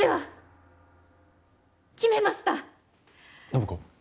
暢子？